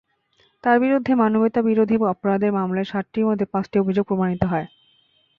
তাঁর বিরুদ্ধে মানবতাবিরোধী অপরাধের মামলায় সাতটির মধ্যে পাঁচটি অভিযোগ প্রমাণিত হয়।